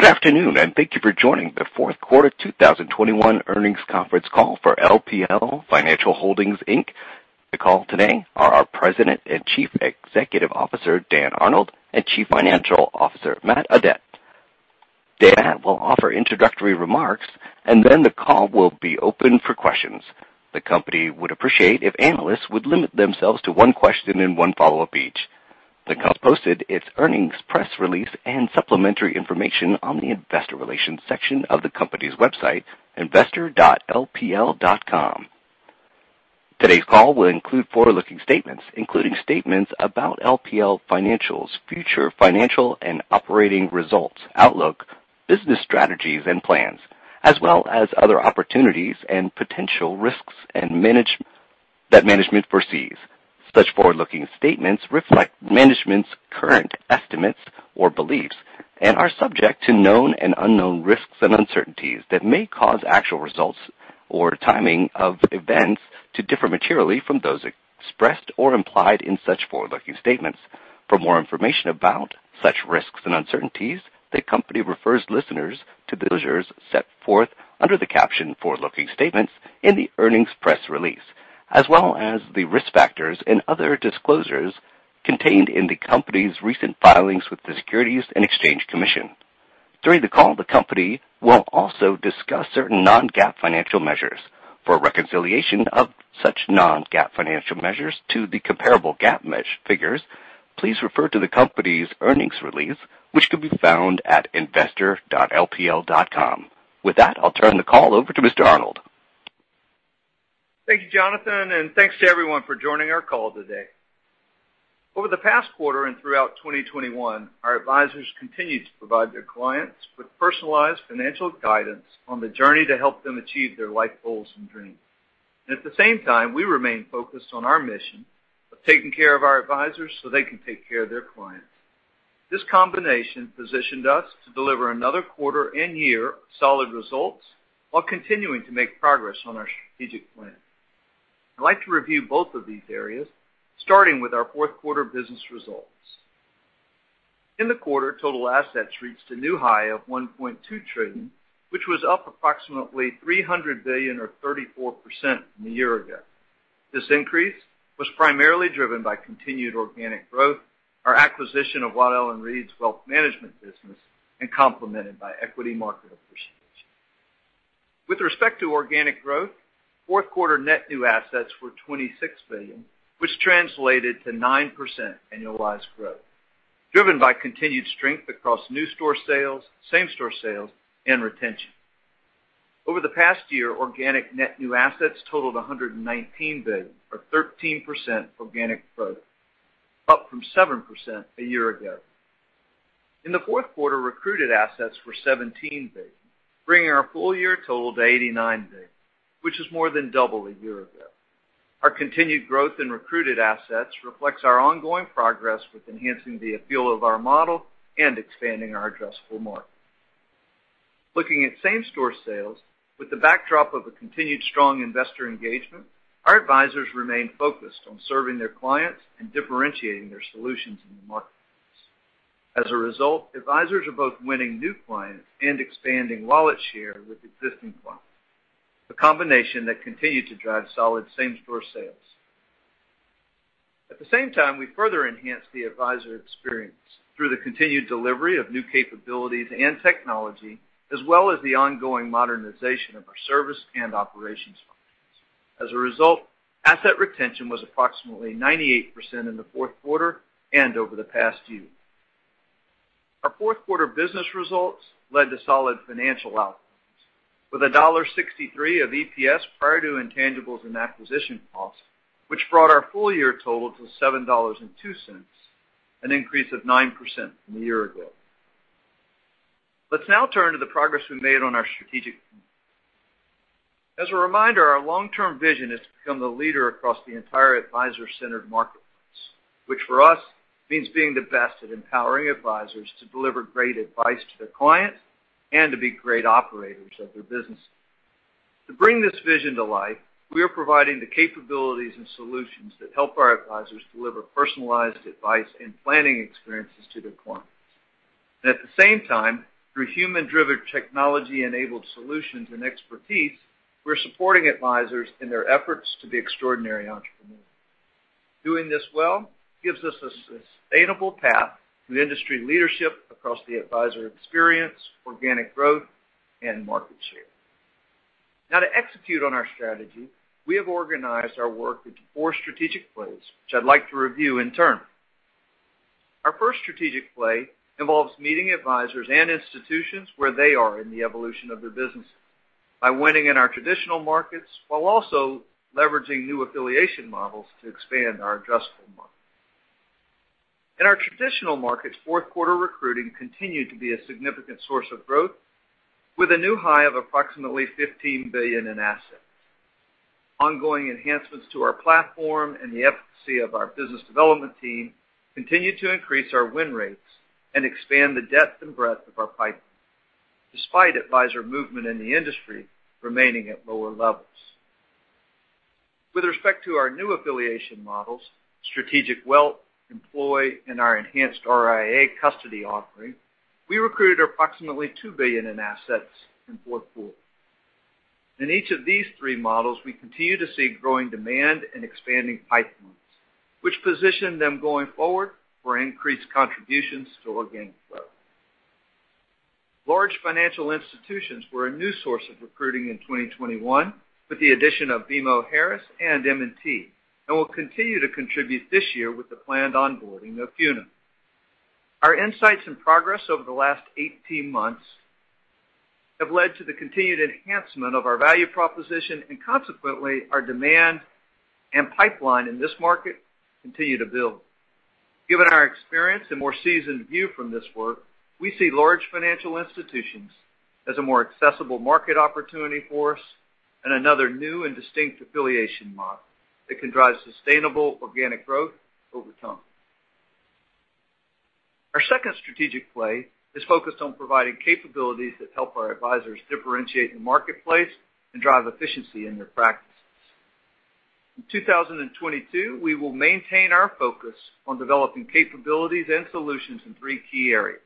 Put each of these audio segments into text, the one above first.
Good afternoon, and thank you for joining the fourth quarter 2021 earnings conference call for LPL Financial Holdings, Inc. The call today are our President and Chief Executive Officer, Dan Arnold, and Chief Financial Officer, Matthew Audette. Dan will offer introductory remarks, and then the call will be open for questions. The company would appreciate if analysts would limit themselves to one question and one follow-up each. The company posted its earnings press release and supplementary information on the investor relations section of the company's website, investor.lpl.com. Today's call will include forward-looking statements, including statements about LPL Financial's future financial and operating results, outlook, business strategies and plans, as well as other opportunities and potential risks that management foresees. Such forward-looking statements reflect management's current estimates or beliefs and are subject to known and unknown risks and uncertainties that may cause actual results or timing of events to differ materially from those expressed or implied in such forward-looking statements. For more information about such risks and uncertainties, the company refers listeners to disclosures set forth under the caption Forward-Looking Statements in the earnings press release, as well as the risk factors and other disclosures contained in the company's recent filings with the Securities and Exchange Commission. During the call, the company will also discuss certain non-GAAP financial measures. For a reconciliation of such non-GAAP financial measures to the comparable GAAP measures, please refer to the company's earnings release, which can be found at investor.lpl.com. With that, I'll turn the call over to Mr. Arnold. Thank you, Jonathan, and thanks to everyone for joining our call today. Over the past quarter and throughout 2021, our advisors continued to provide their clients with personalized financial guidance on the journey to help them achieve their life goals and dreams. At the same time, we remain focused on our mission of taking care of our advisors so they can take care of their clients. This combination positioned us to deliver another quarter and year of solid results while continuing to make progress on our strategic plan. I'd like to review both of these areas, starting with our fourth quarter business results. In the quarter, total assets reached a new high of $1.2 trillion, which was up approximately $300 billion or 34% from a year ago. This increase was primarily driven by continued organic growth, our acquisition of Waddell & Reed's wealth management business, and complemented by equity market appreciation. With respect to organic growth, fourth quarter net new assets were $26 billion, which translated to 9% annualized growth, driven by continued strength across new store sales, same store sales, and retention. Over the past year, organic net new assets totaled $119 billion, or 13% organic growth, up from 7% a year ago. In the fourth quarter, recruited assets were $17 billion, bringing our full-year total to $89 billion, which is more than double a year ago. Our continued growth in recruited assets reflects our ongoing progress with enhancing the appeal of our model and expanding our addressable market. Looking at same store sales, with the backdrop of a continued strong investor engagement, our advisors remain focused on serving their clients and differentiating their solutions in the marketplace. As a result, advisors are both winning new clients and expanding wallet share with existing clients, a combination that continued to drive solid same store sales. At the same time, we further enhanced the advisor experience through the continued delivery of new capabilities and technology, as well as the ongoing modernization of our service and operations functions. As a result, asset retention was approximately 98% in the fourth quarter and over the past year. Our fourth quarter business results led to solid financial outcomes with $1.63 of EPS prior to intangibles and acquisition costs, which brought our full-year total to $7.02, an increase of 9% from a year ago. Let's now turn to the progress we made on our strategic plan. As a reminder, our long-term vision is to become the leader across the entire advisor-centered marketplace, which for us means being the best at empowering advisors to deliver great advice to their clients and to be great operators of their businesses. To bring this vision to life, we are providing the capabilities and solutions that help our advisors deliver personalized advice and planning experiences to their clients. At the same time, through human-driven technology-enabled solutions and expertise, we're supporting advisors in their efforts to be extraordinary entrepreneurs. Doing this well gives us a sustainable path to industry leadership across the advisor experience, organic growth, and market share. Now to execute on our strategy, we have organized our work into four strategic plays, which I'd like to review in turn. Our first strategic play involves meeting advisors and institutions where they are in the evolution of their businesses by winning in our traditional markets while also leveraging new affiliation models to expand our addressable market. In our traditional markets, fourth quarter recruiting continued to be a significant source of growth with a new high of approximately $15 billion in assets. Ongoing enhancements to our platform and the efficacy of our business development team continued to increase our win rates and expand the depth and breadth of our pipeline despite advisor movement in the industry remaining at lower levels. With respect to our new affiliation models, strategic wealth, employee, and our enhanced RIA custody offering, we recruited approximately $2 billion in assets in fourth quarter. In each of these three models, we continue to see growing demand and expanding pipelines which position them going forward for increased contributions to organic growth. Large financial institutions were a new source of recruiting in 2021 with the addition of BMO Harris and M&T, and will continue to contribute this year with the planned onboarding of CUNA. Our insights and progress over the last 18 months have led to the continued enhancement of our value proposition and consequently, our demand and pipeline in this market continue to build. Given our experience and more seasoned view from this work, we see large financial institutions as a more accessible market opportunity for us and another new and distinct affiliation model that can drive sustainable organic growth over time. Our second strategic play is focused on providing capabilities that help our advisors differentiate the marketplace and drive efficiency in their practices. In 2022, we will maintain our focus on developing capabilities and solutions in three key areas.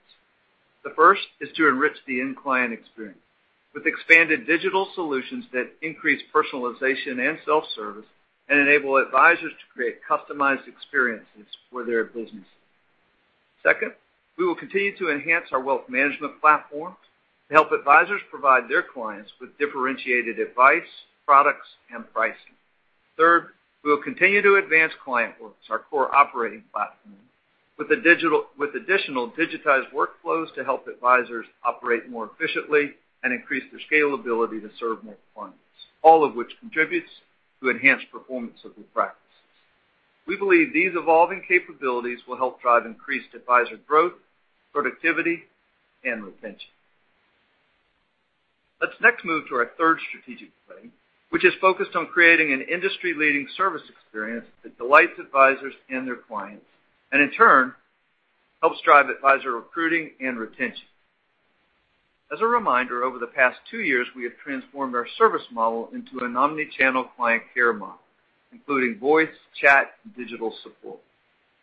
The first is to enrich the end client experience with expanded digital solutions that increase personalization and self-service, and enable advisors to create customized experiences for their businesses. Second, we will continue to enhance our wealth management platform to help advisors provide their clients with differentiated advice, products, and pricing. Third, we will continue to advance ClientWorks, our core operating platform, with additional digitized workflows to help advisors operate more efficiently and increase their scalability to serve more clients, all of which contributes to enhanced performance of their practices. We believe these evolving capabilities will help drive increased advisor growth, productivity, and retention. Let's next move to our third strategic play, which is focused on creating an industry-leading service experience that delights advisors and their clients, and in turn, helps drive advisor recruiting and retention. As a reminder, over the past two years, we have transformed our service model into an omni-channel client care model, including voice, chat, and digital support,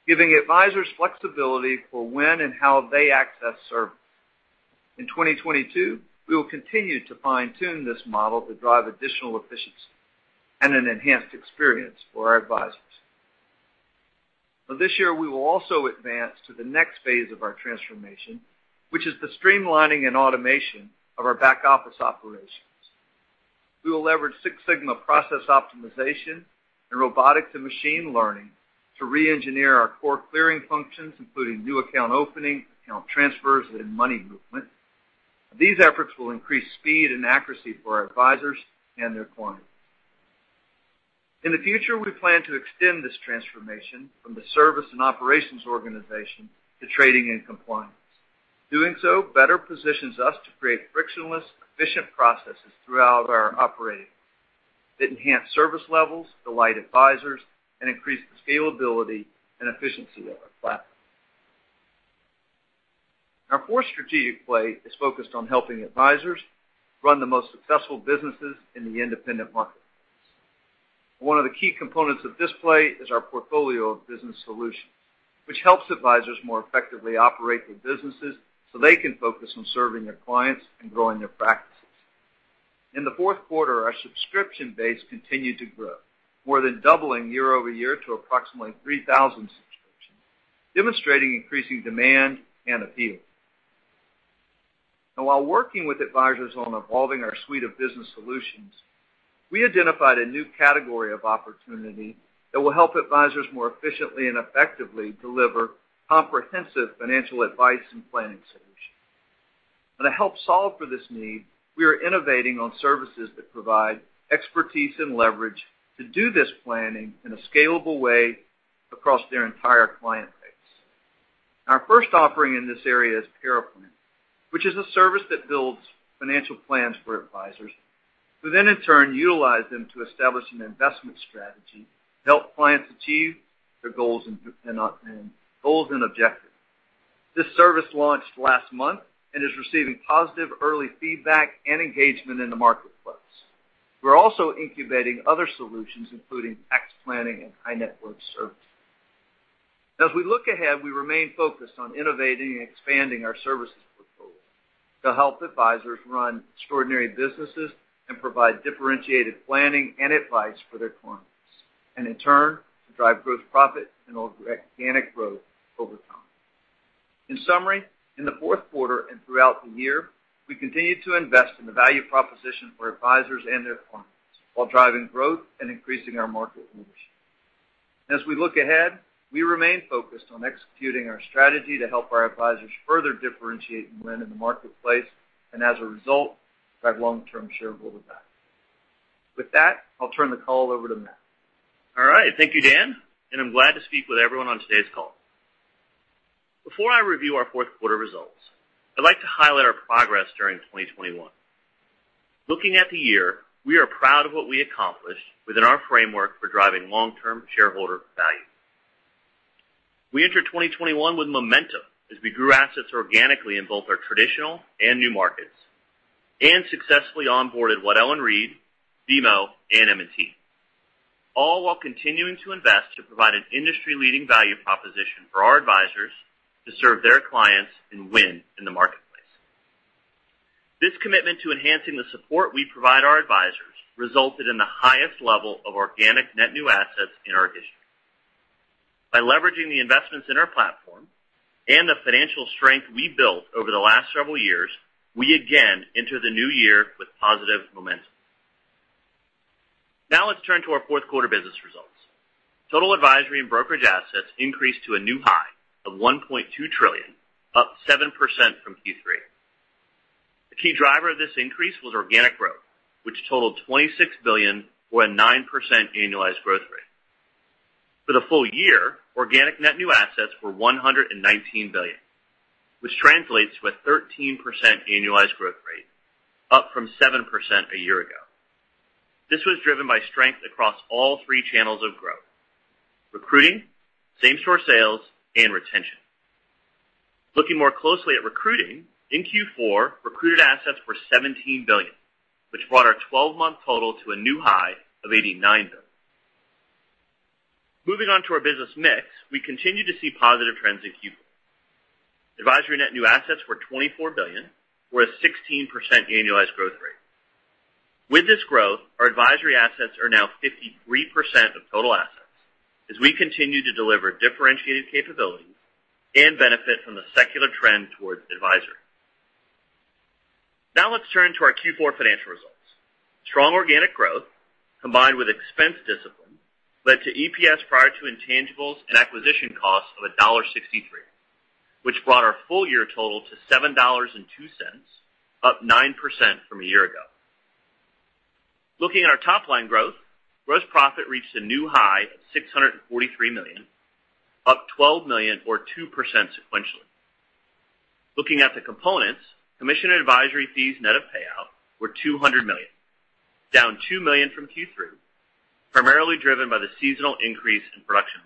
giving advisors flexibility for when and how they access service. In 2022, we will continue to fine-tune this model to drive additional efficiency and an enhanced experience for our advisors. Now this year, we will also advance to the next phase of our transformation, which is the streamlining and automation of our back-office operations. We will leverage Six Sigma process optimization and robotics and machine learning to re-engineer our core clearing functions, including new account opening, account transfers, and money movement. These efforts will increase speed and accuracy for our advisors and their clients. In the future, we plan to extend this transformation from the service and operations organization to trading and compliance. Doing so better positions us to create frictionless, efficient processes throughout our operations that enhance service levels, delight advisors, and increase the scalability and efficiency of our platform. Our fourth strategic play is focused on helping advisors run the most successful businesses in the independent market. One of the key components of this play is our portfolio of business solutions, which helps advisors more effectively operate their businesses so they can focus on serving their clients and growing their practices. In the fourth quarter, our subscription base continued to grow, more than doubling year-over-year to approximately 3,000 subscriptions, demonstrating increasing demand and appeal. While working with advisors on evolving our suite of business solutions, we identified a new category of opportunity that will help advisors more efficiently and effectively deliver comprehensive financial advice and planning solutions. To help solve for this need, we are innovating on services that provide expertise and leverage to do this planning in a scalable way across their entire client base. Our first offering in this area is Paraplan, which is a service that builds financial plans for advisors, who then in turn utilize them to establish an investment strategy to help clients achieve their goals and objectives. This service launched last month and is receiving positive early feedback and engagement in the marketplace. We're also incubating other solutions, including tax planning and high net worth services. As we look ahead, we remain focused on innovating and expanding our services portfolio to help advisors run extraordinary businesses and provide differentiated planning and advice for their clients. In turn, to drive growth profit and organic growth over time. In summary, in the fourth quarter and throughout the year, we continued to invest in the value proposition for advisors and their clients while driving growth and increasing our market leadership. As we look ahead, we remain focused on executing our strategy to help our advisors further differentiate and win in the marketplace, and as a result, drive long-term shareholder value. With that, I'll turn the call over to Matt. All right. Thank you, Dan, and I'm glad to speak with everyone on today's call. Before I review our fourth quarter results, I'd like to highlight our progress during 2021. Looking at the year, we are proud of what we accomplished within our framework for driving long-term shareholder value. We entered 2021 with momentum as we grew assets organically in both our traditional and new markets, and successfully onboarded Waddell & Reed, BMO, and M&T, all while continuing to invest to provide an industry-leading value proposition for our advisors to serve their clients and win in the marketplace. This commitment to enhancing the support we provide our advisors resulted in the highest level of organic net new assets in our history. By leveraging the investments in our platform and the financial strength we built over the last several years, we again enter the new year with positive momentum. Now let's turn to our fourth quarter business results. Total advisory and brokerage assets increased to a new high of $1.2 trillion, up 7% from Q3. The key driver of this increase was organic growth, which totaled $26 billion or a 9% annualized growth rate. For the full-year, organic net new assets were $119 billion, which translates to a 13% annualized growth rate, up from 7% a year ago. This was driven by strength across all three channels of growth, recruiting, same-store sales, and retention. Looking more closely at recruiting, in Q4, recruited assets were $17 billion, which brought our 12 month total to a new high of $89 billion. Moving on to our business mix, we continued to see positive trends in Q4. Advisory net new assets were $24 billion or a 16% annualized growth rate. With this growth, our advisory assets are now 53% of total assets as we continue to deliver differentiated capabilities and benefit from the secular trend towards advisory. Now let's turn to our Q4 financial results. Strong organic growth combined with expense discipline led to EPS prior to intangibles and acquisition costs of $1.63, which brought our full-year total to $7.02, up 9% from a year ago. Looking at our top line growth, gross profit reached a new high of $643 million, up $12 million or 2% sequentially. Looking at the components, commission and advisory fees net of payout were $200 million, down $2 million from Q3, primarily driven by the seasonal increase in production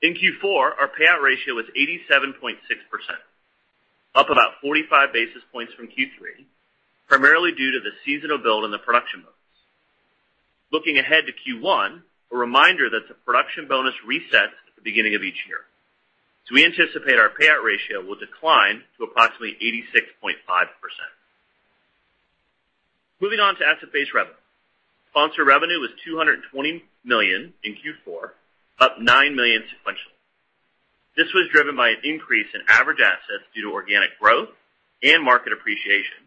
bonus. In Q4, our payout ratio was 87.6%, up about 45 basis points from Q3, primarily due to the seasonal build in the production bonus. Looking ahead to Q1, a reminder that the production bonus resets at the beginning of each year, so we anticipate our payout ratio will decline to approximately 86.5%. Moving on to asset-based revenue. Sponsor revenue was $220 million in Q4, up $9 million sequentially. This was driven by an increase in average assets due to organic growth and market appreciation,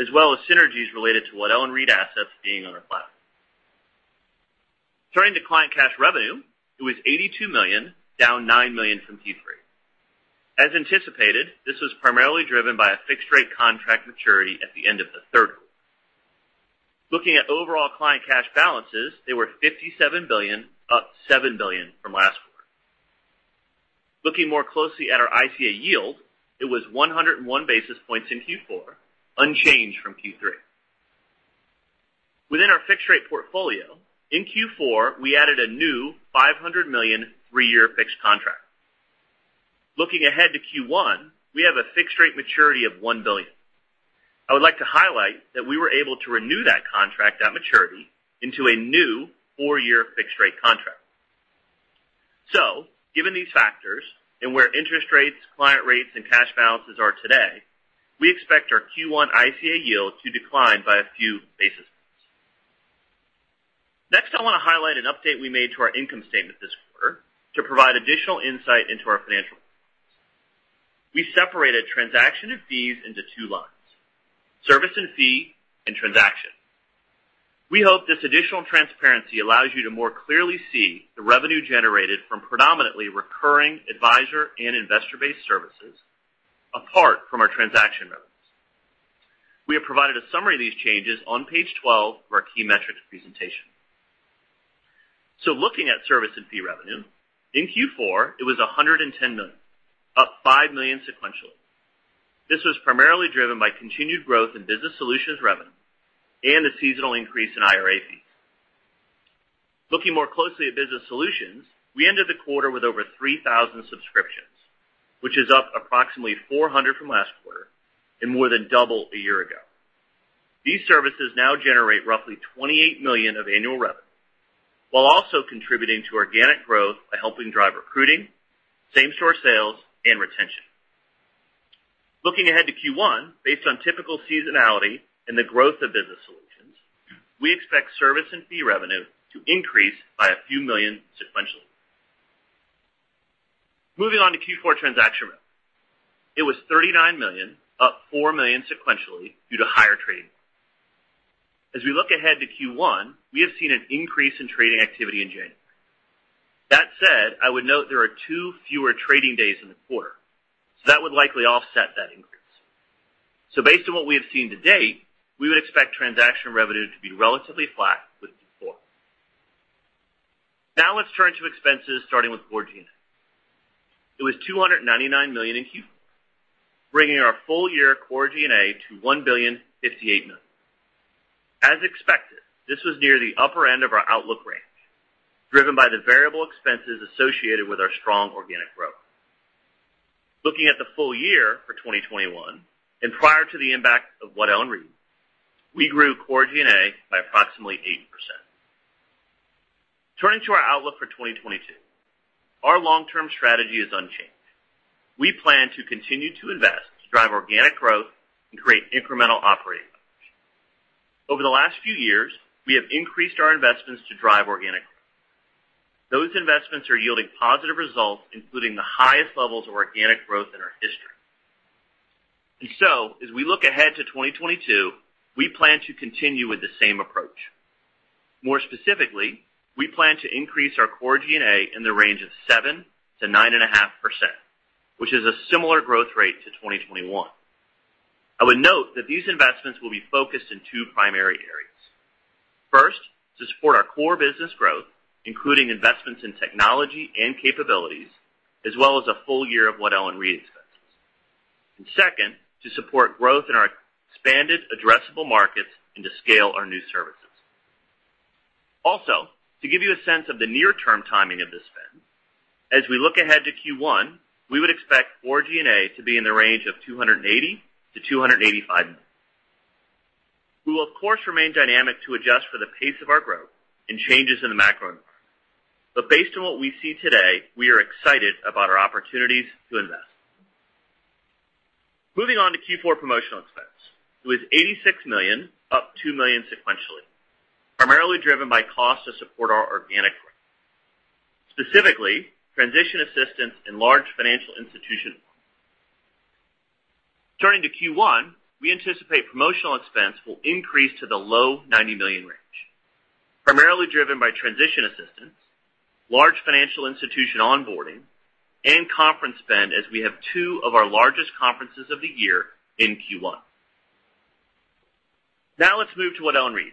as well as synergies related to Waddell & Reed assets being on our platform. Turning to client cash revenue, it was $82 million, down $9 million from Q3. As anticipated, this was primarily driven by a fixed rate contract maturity at the end of the third quarter. Looking at overall client cash balances, they were $57 billion, up $7 billion from last quarter. Looking more closely at our ICA yield, it was 101 basis points in Q4, unchanged from Q3. Within our fixed rate portfolio, in Q4, we added a new $500 million three year fixed contract. Looking ahead to Q1, we have a fixed rate maturity of $1 billion. I would like to highlight that we were able to renew that contract, that maturity, into a new four-year fixed rate contract. So given these factors and where interest rates, client rates, and cash balances are today, we expect our Q1 ICA yield to decline by a few basis points. Next, I want to highlight an update we made to our income statement this quarter to provide additional insight into our financial reports. We separated transaction of fees into two lines, service and fee and transaction. We hope this additional transparency allows you to more clearly see the revenue generated from predominantly recurring advisor and investor-based services apart from our transaction revenues. We have provided a summary of these changes on Page 12 of our key metrics presentation. Looking at service and fee revenue, in Q4, it was $110 million, up $5 million sequentially. This was primarily driven by continued growth in business solutions revenue and a seasonal increase in IRA fees. Looking more closely at business solutions, we ended the quarter with over 3,000 subscriptions, which is up approximately 400 from last quarter and more than double a year ago. These services now generate roughly $28 million of annual revenue while also contributing to organic growth by helping drive recruiting, same-store sales, and retention. Looking ahead to Q1, based on typical seasonality and the growth of business solutions, we expect service and fee revenue to increase by a few $ million sequentially. Moving on to Q4 transaction revenue, it was $39 million, up $4 million sequentially due to higher trading. As we look ahead to Q1, we have seen an increase in trading activity in January. That said, I would note there are two fewer trading days in the quarter, so that would likely offset that increase. Based on what we have seen to date, we would expect transaction revenue to be relatively flat with Q4. Now let's turn to expenses, starting with core G&A. It was $299 million in Q4, bringing our full-year core G&A to $1.058 billion. As expected, this was near the upper end of our outlook range, driven by the variable expenses associated with our strong organic growth. Looking at the full-year for 2021 and prior to the impact of Waddell & Reed, we grew core G&A by approximately 8%. Turning to our outlook for 2022. Our long-term strategy is unchanged. We plan to continue to invest to drive organic growth and create incremental operating leverage. Over the last few years, we have increased our investments to drive organic growth. Those investments are yielding positive results, including the highest levels of organic growth in our history. As we look ahead to 2022, we plan to continue with the same approach. More specifically, we plan to increase our core G&A in the range of 7%-9.5%, which is a similar growth rate to 2021. I would note that these investments will be focused in two primary areas. First, to support our core business growth, including investments in technology and capabilities, as well as a full-year of Waddell & Reed expenses. Second, to support growth in our expanded addressable markets and to scale our new services. Also, to give you a sense of the near-term timing of this spend, as we look ahead to Q1, we would expect core G&A to be in the range of $280 million-$285 million. We will, of course, remain dynamic to adjust for the pace of our growth and changes in the macro environment. Based on what we see today, we are excited about our opportunities to invest. Moving on to Q4 promotional expense. It was $86 million, up $2 million sequentially, primarily driven by costs to support our organic growth, specifically transition assistance and large financial institution onboarding. Turning to Q1, we anticipate promotional expense will increase to the low $90 million range, primarily driven by transition assistance, large financial institution onboarding, and conference spend, as we have two of our largest conferences of the year in Q1. Now let's move to Waddell & Reed.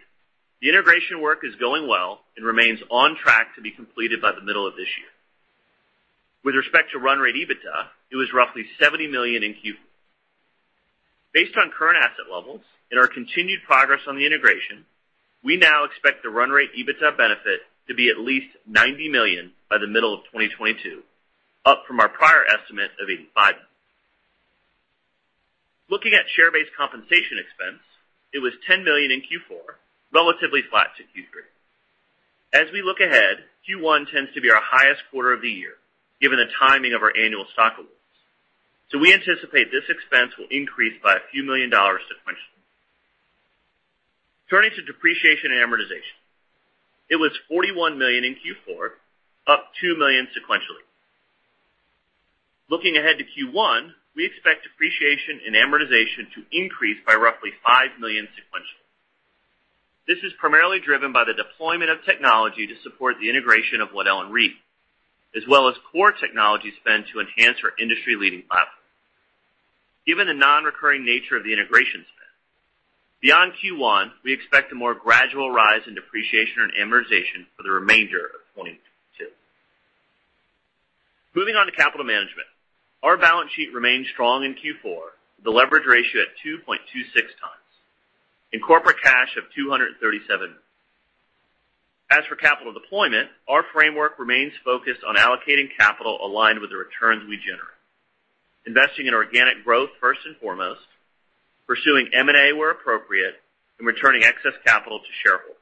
The integration work is going well and remains on track to be completed by the middle of this year. With respect to run rate EBITDA, it was roughly $70 million in Q4. Based on current asset levels and our continued progress on the integration, we now expect the run rate EBITDA benefit to be at least $90 million by the middle of 2022, up from our prior estimate of $85 million. Looking at share-based compensation expense, it was $10 million in Q4, relatively flat to Q3. As we look ahead, Q1 tends to be our highest quarter of the year, given the timing of our annual stock awards. We anticipate this expense will increase by a few million dollars sequentially. Turning to depreciation and amortization. It was $41 million in Q4, up $2 million sequentially. Looking ahead to Q1, we expect depreciation and amortization to increase by roughly $5 million sequentially. This is primarily driven by the deployment of technology to support the integration of Waddell & Reed, as well as core technology spend to enhance our industry-leading platform. Given the non-recurring nature of the integration spend, beyond Q1, we expect a more gradual rise in depreciation and amortization for the remainder of 2022. Moving on to capital management. Our balance sheet remained strong in Q4, with a leverage ratio at 2.26x and corporate cash of $237 million. As for capital deployment, our framework remains focused on allocating capital aligned with the returns we generate, investing in organic growth first and foremost, pursuing M&A where appropriate, and returning excess capital to shareholders.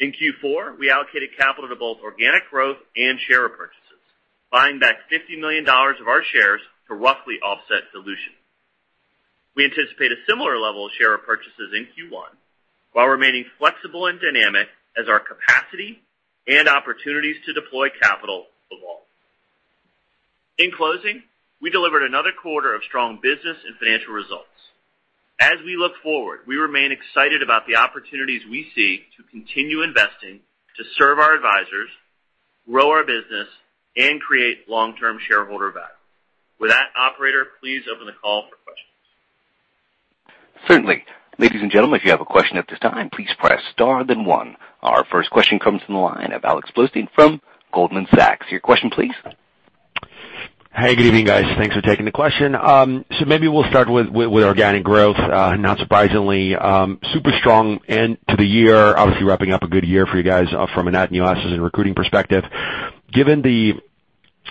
In Q4, we allocated capital to both organic growth and share repurchases, buying back $50 million of our shares to roughly offset dilution. We anticipate a similar level of share repurchases in Q1, while remaining flexible and dynamic as our capacity and opportunities to deploy capital evolve. In closing, we delivered another quarter of strong business and financial results. As we look forward, we remain excited about the opportunities we see to continue investing to serve our advisors, grow our business, and create long-term shareholder value. With that, operator, please open the call for questions. Certainly. Ladies and gentlemen, if you have a question at this time, please press star then one. Our first question comes from the line of Alex Blostein from Goldman Sachs. Your question please. Hey, good evening, guys. Thanks for taking the question. Maybe we'll start with organic growth. Not surprisingly, super strong end to the year, obviously wrapping up a good year for you guys from a net new assets and recruiting perspective. Given the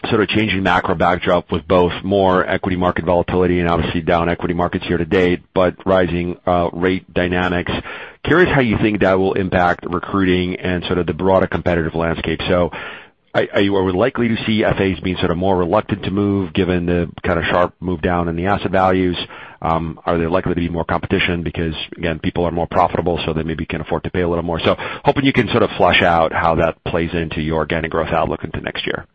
sort of changing macro backdrop with both more equity market volatility and obviously down equity markets year-to-date, but rising rate dynamics, I'm curious how you think that will impact recruiting and sort of the broader competitive landscape. Are we likely to see FAs being sort of more reluctant to move given the kind of sharp move down in the asset values? Are they likely to be more competition because, again, people are more profitable, so they maybe can afford to pay a little more? Hoping you can sort of flesh out how that plays into your organic growth outlook into next year.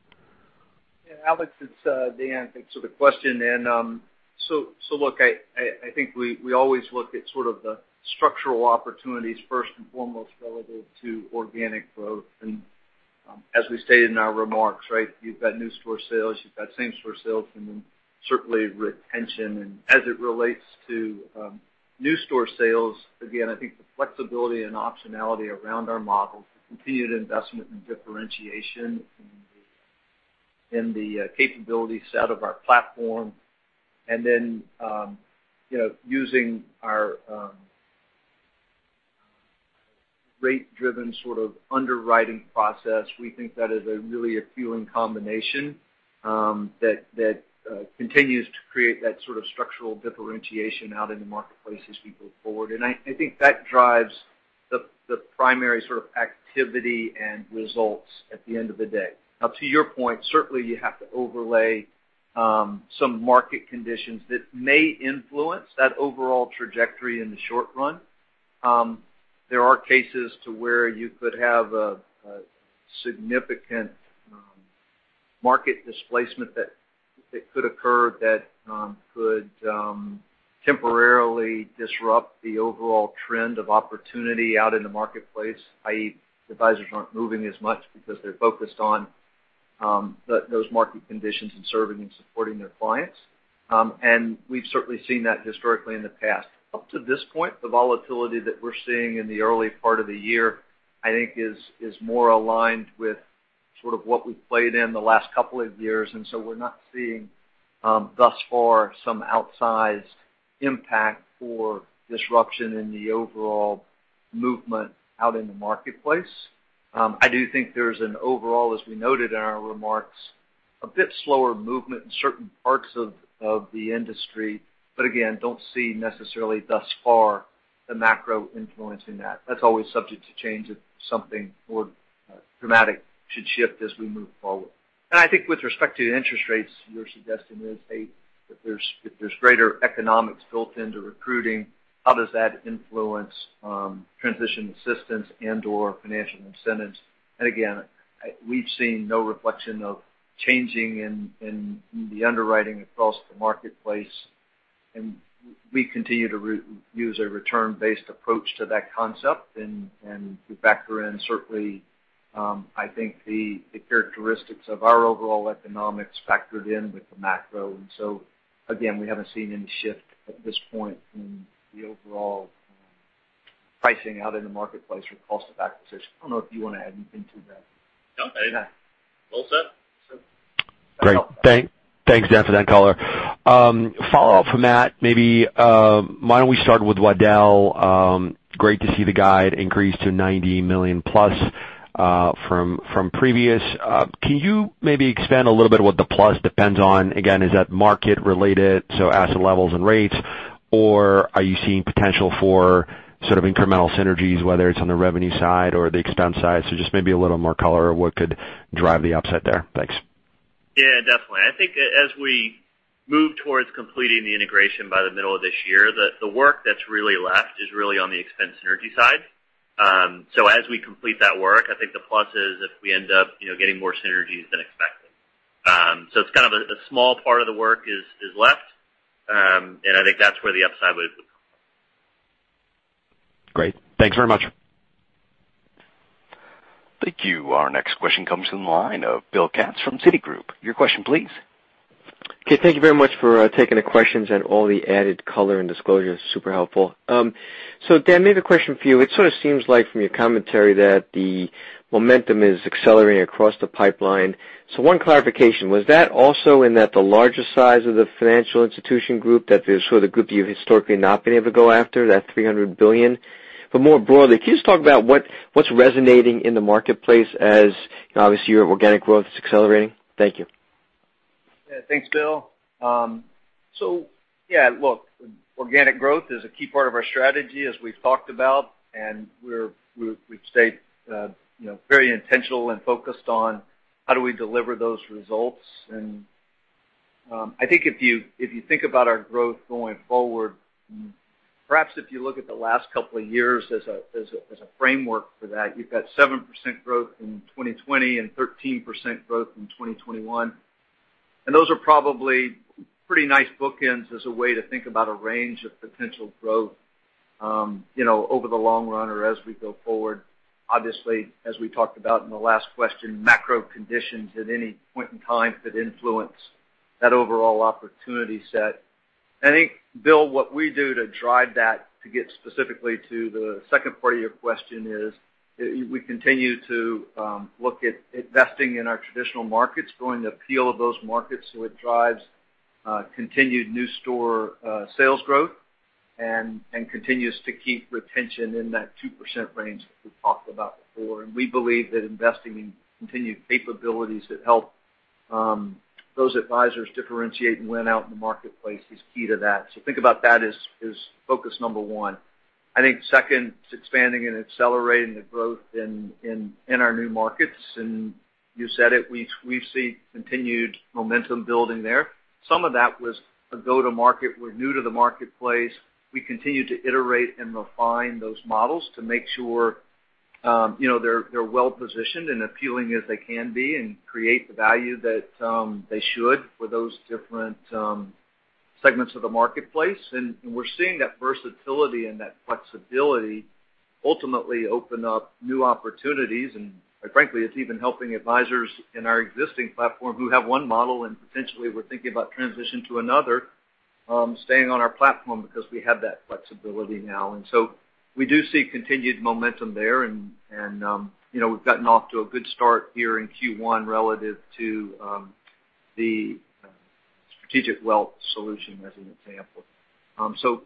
Yeah, Alex, it's Dan. Thanks for the question. Look, I think we always look at sort of the structural opportunities first and foremost relevant to organic growth. As we stated in our remarks, right, you've got new store sales, you've got same store sales, and then certainly retention. As it relates to new store sales, again, I think the flexibility and optionality around our model to continue to invest in differentiation and In the capability set of our platform. Then you know, using our rate-driven sort of underwriting process, we think that is a really appealing combination that continues to create that sort of structural differentiation out in the marketplace as we move forward. I think that drives the primary sort of activity and results at the end of the day. Now to your point, certainly you have to overlay some market conditions that may influence that overall trajectory in the short run. There are cases where you could have a significant market displacement that could occur that could temporarily disrupt the overall trend of opportunity out in the marketplace, i.e., advisors aren't moving as much because they're focused on those market conditions and serving and supporting their clients. We've certainly seen that historically in the past. Up to this point, the volatility that we're seeing in the early part of the year, I think is more aligned with sort of what we've played in the last couple of years, and so we're not seeing, thus far, some outsized impact or disruption in the overall movement out in the marketplace. I do think there's an overall, as we noted in our remarks, a bit slower movement in certain parts of the industry, but again, don't see necessarily thus far the macro influence in that. That's always subject to change if something more dramatic should shift as we move forward. I think with respect to interest rates, you're suggesting is, hey, if there's greater economics built into recruiting, how does that influence transition assistance and/or financial incentives? Again, we've seen no reflection of changing in the underwriting across the marketplace, and we continue to use a return-based approach to that concept. We factor in certainly, I think the characteristics of our overall economics factored in with the macro. Again, we haven't seen any shift at this point from the overall pricing out in the marketplace or cost of acquisition. I don't know if you wanna add anything to that. No, I didn't. All set. Great. Thanks, Dan, for that color. Follow up from Matt, maybe, why don't we start with Waddell? Great to see the guide increase to $90 million plus, from previous. Can you maybe expand a little bit what the plus depends on? Again, is that market related, so asset levels and rates? Or are you seeing potential for sort of incremental synergies, whether it's on the revenue side or the expense side? Just maybe a little more color on what could drive the upside there. Thanks. Yeah, definitely. I think as we move towards completing the integration by the middle of this year, the work that's really left is really on the expense synergy side. As we complete that work, I think the plus is if we end up, you know, getting more synergies than expected. It's kind of a small part of the work is left, and I think that's where the upside would come from. Great. Thanks very much. Thank you. Our next question comes from the line of William Katz from Citigroup. Your question please. Okay. Thank you very much for taking the questions and all the added color and disclosure. It's super helpful. Dan, maybe a question for you. It sort of seems like from your commentary that the momentum is accelerating across the pipeline. One clarification, was that also in that the larger size of the financial institution group, that is sort of the group you've historically not been able to go after, that $300 billion? More broadly, can you just talk about what's resonating in the marketplace as, obviously, your organic growth is accelerating? Thank you. Yeah. Thanks, Will. So yeah, look, organic growth is a key part of our strategy, as we've talked about, and we've stayed, you know, very intentional and focused on how do we deliver those results. I think if you think about our growth going forward, perhaps if you look at the last couple of years as a framework for that, you've got 7% growth in 2020 and 13% growth in 2021. Those are probably pretty nice bookends as a way to think about a range of potential growth, you know, over the long run or as we go forward. Obviously, as we talked about in the last question, macro conditions at any point in time could influence that overall opportunity set. I think, Will, what we do to drive that, to get specifically to the second part of your question is, we continue to look at investing in our traditional markets, growing the appeal of those markets so it drives continued new store sales growth and continues to keep retention in that 2% range that we talked about before. We believe that investing in continued capabilities that help those advisors differentiate and win out in the marketplace is key to that. Think about that as focus number one. I think second is expanding and accelerating the growth in our new markets. You said it, we see continued momentum building there. Some of that was a go-to-market. We're new to the marketplace. We continue to iterate and refine those models to make sure you know they're well positioned and appealing as they can be and create the value that they should for those different segments of the marketplace. We're seeing that versatility and that flexibility ultimately open up new opportunities. Frankly, it's even helping advisors in our existing platform who have one model and potentially were thinking about transition to another, staying on our platform because we have that flexibility now. We do see continued momentum there and you know we've gotten off to a good start here in Q1 relative to the Strategic Wealth Services as an example.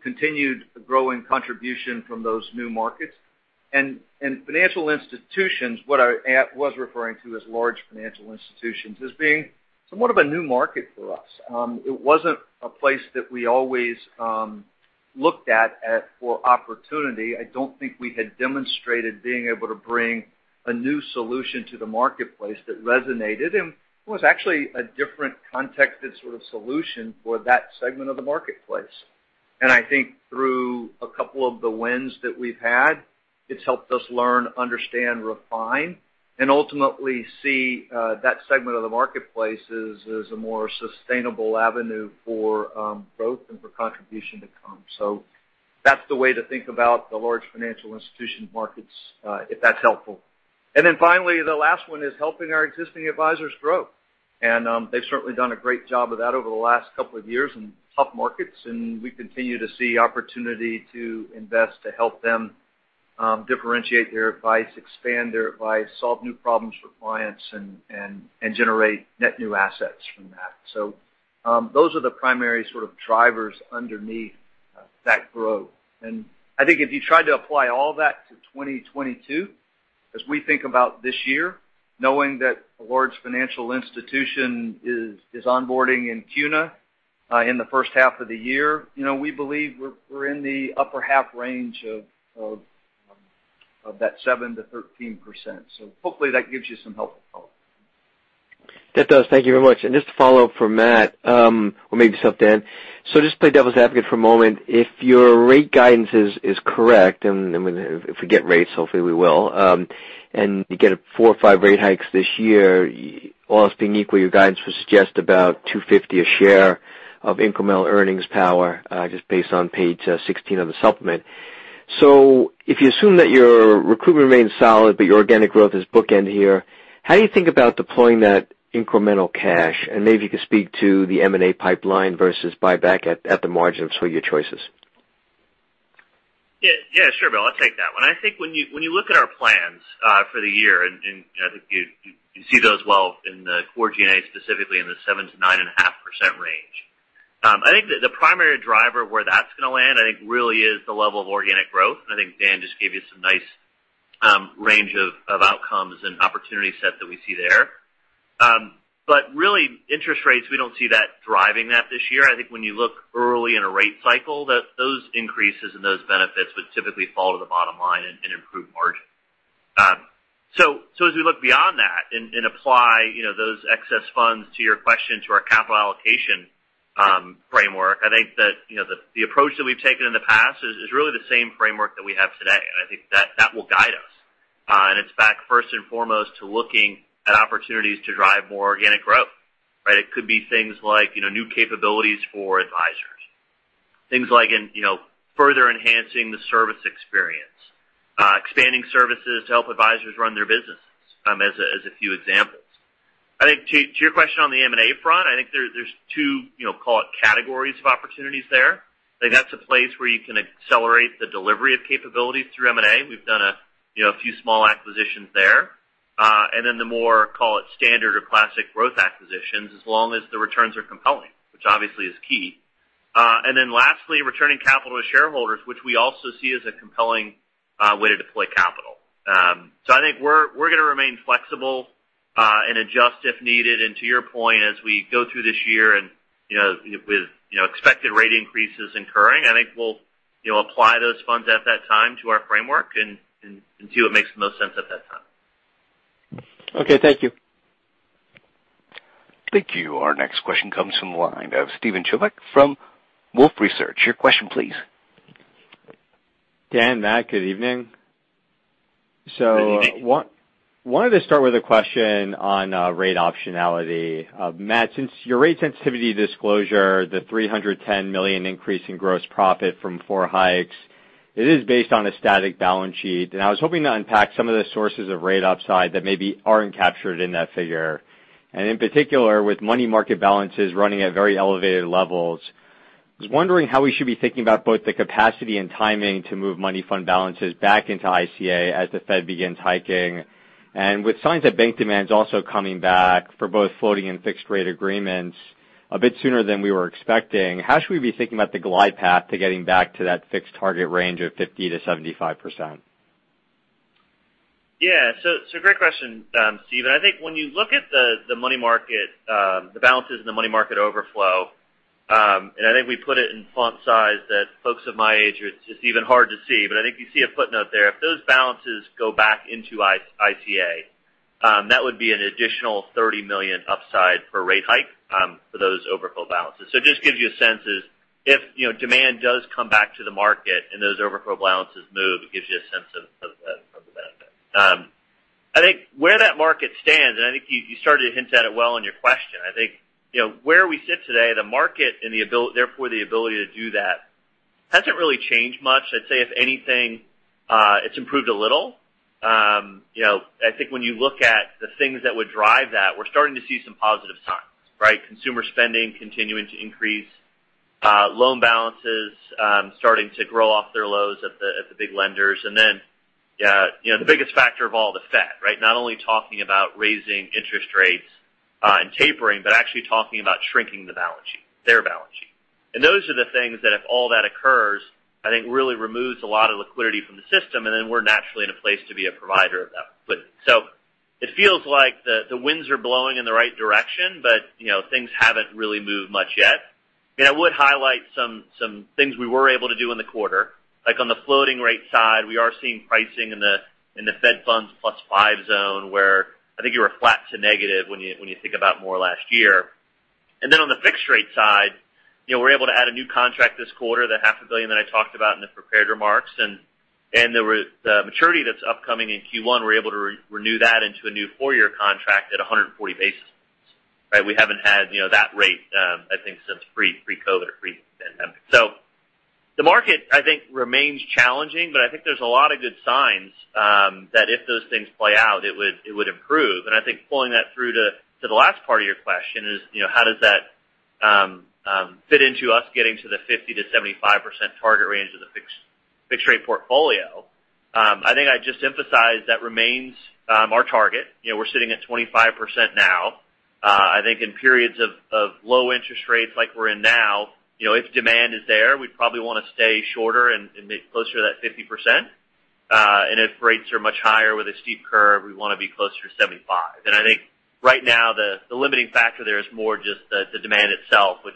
Continued growing contribution from those new markets. Financial institutions, what I was referring to as large financial institutions as being somewhat of a new market for us. It wasn't a place that we always looked at for opportunity. I don't think we had demonstrated being able to bring a new solution to the marketplace that resonated, and it was actually a different context and sort of solution for that segment of the marketplace. I think through a couple of the wins that we've had, it's helped us learn, understand, refine, and ultimately see that segment of the marketplace as a more sustainable avenue for growth and for contribution to come. That's the way to think about the large financial institution markets, if that's helpful. Then finally, the last one is helping our existing advisors grow. They've certainly done a great job of that over the last couple of years in tough markets, and we continue to see opportunity to invest to help them differentiate their advice, expand their advice, solve new problems for clients and generate net new assets from that. Those are the primary sort of drivers underneath that growth. I think if you tried to apply all that to 2022, as we think about this year, knowing that a large financial institution is onboarding in CUNA in the first half of the year, you know, we believe we're in the upper half range of that 7%-13%. Hopefully that gives you some helpful color. That does. Thank you very much. Just to follow up for Matt, or maybe this is up to Dan. Just to play devil's advocate for a moment, if your rate guidance is correct, and I mean, if we get rates, hopefully we will, and you get 4 or 5 rate hikes this year, all else being equal, your guidance would suggest about $2.50 a share of incremental earnings power, just based on Page 16 of the supplement. If you assume that your recruitment remains solid, but your organic growth is bookend here, how do you think about deploying that incremental cash? Maybe you could speak to the M&A pipeline versus buyback at the margin of sort of your choices. Yeah. Yeah. Sure, Will. I'll take that one. I think when you look at our plans for the year, and I think you see those well in the core G&A, specifically in the 7%-9.5% range. I think the primary driver where that's gonna land really is the level of organic growth. I think Dan just gave you some nice range of outcomes and opportunity set that we see there. Really, interest rates, we don't see that driving that this year. I think when you look early in a rate cycle, that those increases and those benefits would typically fall to the bottom line and improve margin. As we look beyond that and apply, you know, those excess funds to your question to our capital allocation framework, I think that, you know, the approach that we've taken in the past is really the same framework that we have today. I think that will guide us. It's back first and foremost to looking at opportunities to drive more organic growth, right? It could be things like, you know, new capabilities for advisors. Things like, you know, further enhancing the service experience, expanding services to help advisors run their businesses, as a few examples. I think to your question on the M&A front, I think there's two, you know, call it categories of opportunities there. I think that's a place where you can accelerate the delivery of capabilities through M&A. We've done, you know, a few small acquisitions there. Then the more, call it, standard or classic growth acquisitions, as long as the returns are compelling, which obviously is key. Then lastly, returning capital to shareholders, which we also see as a compelling way to deploy capital. So I think we're gonna remain flexible and adjust if needed. To your point, as we go through this year and, you know, with, you know, expected rate increases occurring, I think we'll, you know, apply those funds at that time to our framework and see what makes the most sense at that time. Okay, thank you. Thank you. Our next question comes from the line of Steven Chubak from Wolfe Research. Your question, please. Dan, Matt, good evening. Good evening. Wanted to start with a question on rate optionality. Matt, since your rate sensitivity disclosure, the $310 million increase in gross profit from four hikes, it is based on a static balance sheet. I was hoping to unpack some of the sources of rate upside that maybe aren't captured in that figure. In particular, with money market balances running at very elevated levels, I was wondering how we should be thinking about both the capacity and timing to move money fund balances back into ICA as the Fed begins hiking. With signs that bank demand's also coming back for both floating and fixed rate agreements a bit sooner than we were expecting, how should we be thinking about the glide path to getting back to that fixed target range of 50%-75%? So great question, Steve. I think when you look at the money market, the balances in the money market overflow, and I think we put it in font size that folks of my age, it's just even hard to see, but I think you see a footnote there. If those balances go back into ICA, that would be an additional $30 million upside per rate hike for those overflow balances. It just gives you a sense of if, you know, demand does come back to the market and those overflow balances move, it gives you a sense of the benefit. I think where that market stands, and I think you started to hint at it well in your question. I think, you know, where we sit today, therefore, the ability to do that hasn't really changed much. I'd say if anything, it's improved a little. You know, I think when you look at the things that would drive that, we're starting to see some positive signs, right? Consumer spending continuing to increase, loan balances starting to grow off their lows at the big lenders. Then, you know, the biggest factor of all, the Fed, right? Not only talking about raising interest rates and tapering, but actually talking about shrinking the balance sheet, their balance sheet. Those are the things that if all that occurs, I think really removes a lot of liquidity from the system, and then we're naturally in a place to be a provider of that liquidity. It feels like the winds are blowing in the right direction, but you know, things haven't really moved much yet. I would highlight some things we were able to do in the quarter. Like on the floating rate side, we are seeing pricing in the Fed funds plus five zone, where I think you were flat to negative when you think about more last year. Then on the fixed rate side, you know, we're able to add a new contract this quarter, the $0.5 billion that I talked about in the prepared remarks. The maturity that's upcoming in Q1, we're able to renew that into a new four-year contract at 140 basis points. Right? We haven't had you know, that rate I think, since pre-COVID or pre-pandemic. The market, I think, remains challenging, but I think there's a lot of good signs that if those things play out, it would improve. I think pulling that through to the last part of your question is, you know, how does that fit into us getting to the 50%-75% target range of the fixed rate portfolio? I think I just emphasized that remains our target. You know, we're sitting at 25% now. I think in periods of low interest rates like we're in now, you know, if demand is there, we'd probably wanna stay shorter and get closer to that 50%. And if rates are much higher with a steep curve, we wanna be closer to 75%. I think right now the limiting factor there is more just the demand itself, which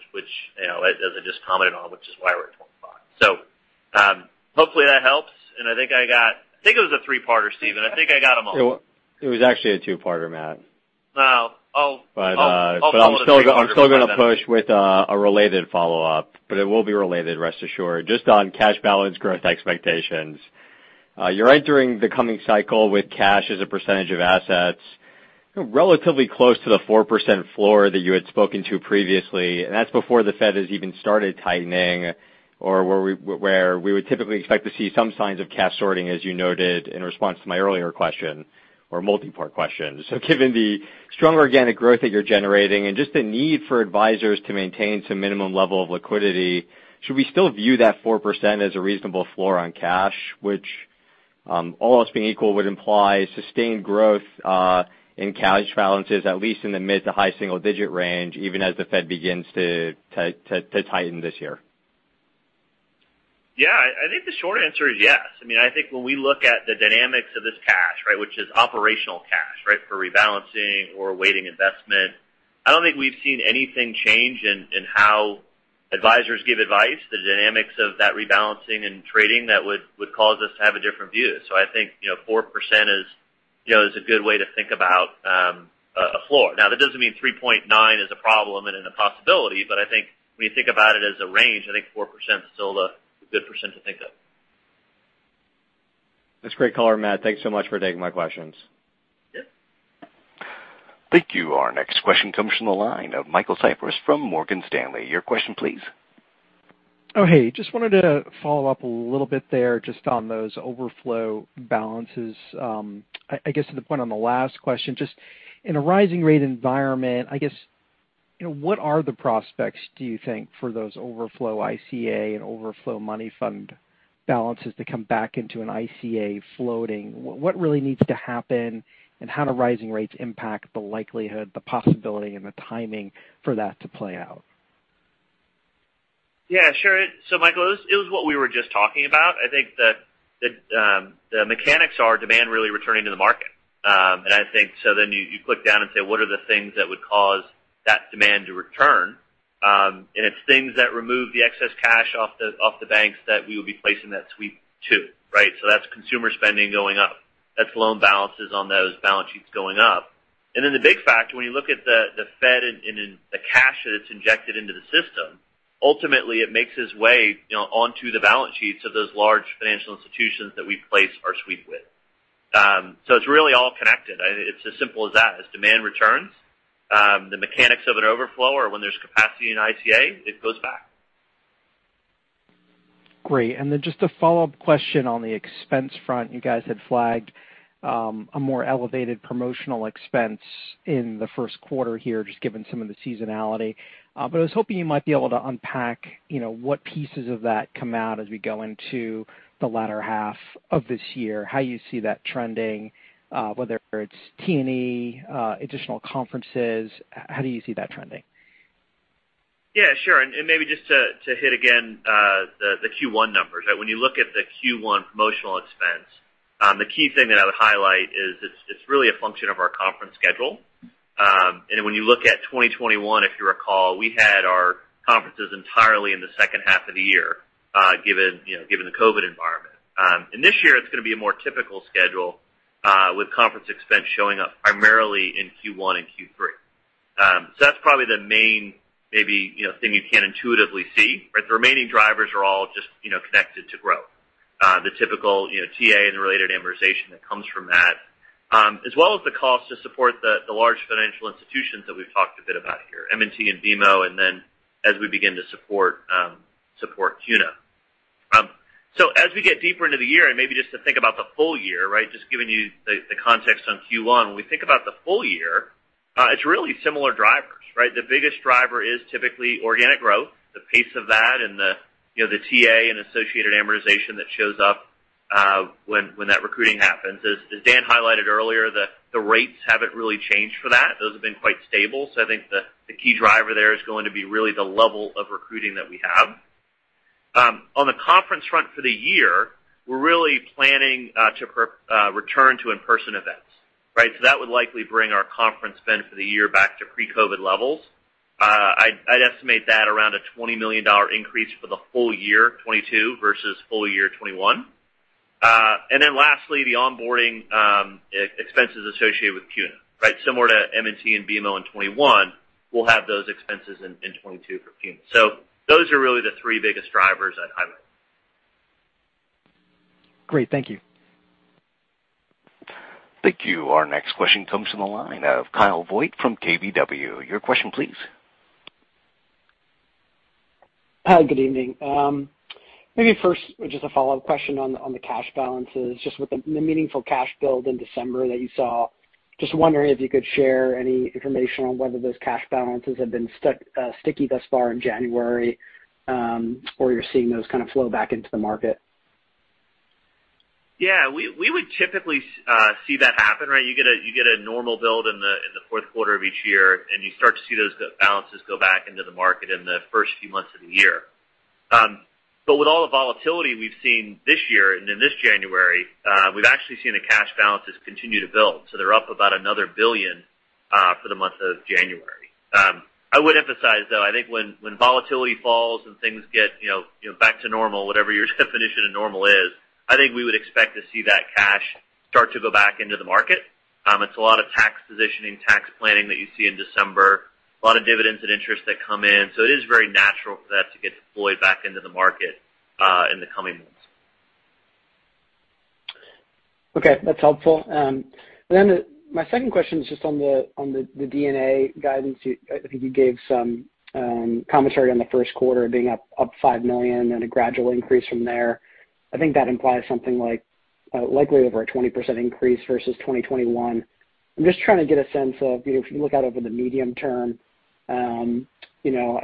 you know, as I just commented on, which is why we're at 25. Hopefully that helps. I think it was a three-parter, Steven. I think I got them all. It was actually a two-parter, Matt. Oh, I'll I'm still gonna push with a related follow-up. It will be related, rest assured. Just on cash balance growth expectations. You're entering the coming cycle with cash as a percentage of assets, you know, relatively close to the 4% floor that you had spoken to previously. That's before the Fed has even started tightening or where we would typically expect to see some signs of cash sorting, as you noted in response to my earlier question or multi-part question. Given the strong organic growth that you're generating and just the need for advisors to maintain some minimum level of liquidity, should we still view that 4% as a reasonable floor on cash, which, all else being equal, would imply sustained growth in cash balances at least in the mid- to high-single-digit range, even as the Fed begins to tighten this year? Yeah. I think the short answer is yes. I mean, I think when we look at the dynamics of this cash, right? Which is operational cash, right, for rebalancing or awaiting investment, I don't think we've seen anything change in how advisors give advice, the dynamics of that rebalancing and trading that would cause us to have a different view. So I think, you know, 4% is a good way to think about a floor. Now, that doesn't mean 3.9% is a problem and an impossibility, but I think when you think about it as a range, I think 4% is still the good percent to think of. That's great color, Matt. Thank you so much for taking my questions. Yep. Thank you. Our next question comes from the line of Michael Cyprys from Morgan Stanley. Your question please. Oh, hey. Just wanted to follow up a little bit there just on those overflow balances. I guess to the point on the last question, just in a rising rate environment, I guess, you know, what are the prospects, do you think, for those overflow ICA and overflow money fund balances to come back into an ICA floating? What really needs to happen? How do rising rates impact the likelihood, the possibility, and the timing for that to play out? Yeah, sure. Michael, it was what we were just talking about. I think the mechanics are demand really returning to the market. I think then you click down and say, what are the things that would cause that demand to return? It's things that remove the excess cash off the banks that we would be placing that sweep to, right? That's consumer spending going up. That's loan balances on those balance sheets going up. The big factor, when you look at the Fed and then the cash that it's injected into the system, ultimately it makes its way, you know, onto the balance sheets of those large financial institutions that we place our sweep with. It's really all connected. I think it's as simple as that. As demand returns, the mechanics of an overflow or when there's capacity in ICA, it goes back. Great. Then just a follow-up question on the expense front. You guys had flagged a more elevated promotional expense in the first quarter here, just given some of the seasonality. I was hoping you might be able to unpack, you know, what pieces of that come out as we go into the latter half of this year, how you see that trending, whether it's T&E, additional conferences, how do you see that trending? Yeah, sure. Maybe just to hit again the Q1 numbers. When you look at the Q1 promotional expense, the key thing that I would highlight is it's really a function of our conference schedule. When you look at 2021, if you recall, we had our conferences entirely in the second half of the year, given, you know, the COVID environment. This year it's gonna be a more typical schedule with conference expense showing up primarily in Q1 and Q3. That's probably the main maybe, you know, thing you can intuitively see, right? The remaining drivers are all just, you know, connected to growth. The typical, you know, TA and related amortization that comes from that, as well as the cost to support the large financial institutions that we've talked a bit about here, M&T and BMO, and then as we begin to support CUNA. As we get deeper into the year, and maybe just to think about the full-year, right? Just giving you the context on Q1. When we think about the full-year, it's really similar drivers, right? The biggest driver is typically organic growth, the pace of that and the, you know, the TA and associated amortization that shows up, when that recruiting happens. As Dan highlighted earlier, the rates haven't really changed for that. Those have been quite stable. I think the key driver there is going to be really the level of recruiting that we have. On the conference front for the year, we're really planning to return to in-person events, right? That would likely bring our conference spend for the year back to pre-COVID levels. I'd estimate that around a $20 million increase for the full-year 2022 versus full-year 2021. And then lastly, the onboarding expenses associated with CUNA, right? Similar to M&T and BMO in 2021, we'll have those expenses in 2022 for CUNA. Those are really the three biggest drivers I'd highlight. Great. Thank you. Thank you. Our next question comes from the line of Kyle Voigt from KBW. Your question please. Hi, good evening. Maybe first, just a follow-up question on the cash balances, just with the meaningful cash build in December that you saw. Just wondering if you could share any information on whether those cash balances have been sticky thus far in January, or you're seeing those kind of flow back into the market. Yeah. We would typically see that happen, right? You get a normal build in the fourth quarter of each year, and you start to see those balances go back into the market in the first few months of the year. But with all the volatility we've seen this year and in this January, we've actually seen the cash balances continue to build. So they're up about another $1 billion for the month of January. I would emphasize, though, I think when volatility falls and things get, you know, back to normal, whatever your definition of normal is, I think we would expect to see that cash start to go back into the market. It's a lot of tax positioning, tax planning that you see in December, a lot of dividends and interest that come in. It is very natural for that to get deployed back into the market in the coming months. Okay. That's helpful. And then my second question is just on the D&A guidance. I think you gave some commentary on the first quarter being up $5 million and a gradual increase from there. I think that implies something like likely over a 20% increase versus 2021. I'm just trying to get a sense of, you know, if you look out over the medium term, you know,